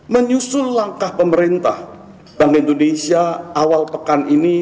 menyusul langkah pemerintah bank indonesia awal pekan ini